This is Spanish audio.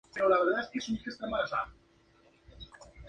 Fue fundada por Alfred H. Spink, uno de los directores de los St.